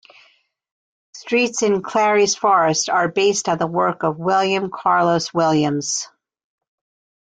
Streets in Clary's Forest are based on the work of William Carlos Williams.